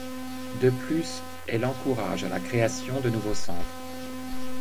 De plus, elle encourage à la création de nouveaux centres.